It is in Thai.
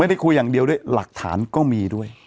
ไม่ได้คุยอย่างเดียวด้วยหลักฐานก็มีด้วย